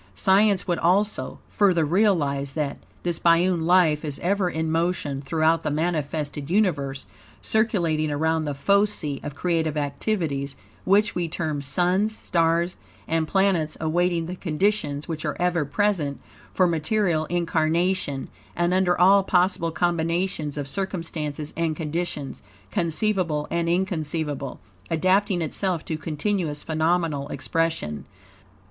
Science would also, further realize that, this biune life is ever in motion throughout the manifested universe; circulating around the focii of creative activities, which we term suns, stars, and planets, awaiting the conditions which are ever present for material incarnation; and under all possible combinations of circumstances and conditions, conceivable and inconceivable, adapting itself to continuous phenomenal expression.